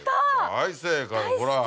大正解ほら。